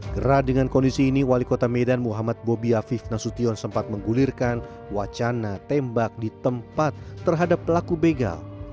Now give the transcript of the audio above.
gera dengan kondisi ini wali kota medan muhammad bobi afif nasution sempat menggulirkan wacana tembak di tempat terhadap pelaku begal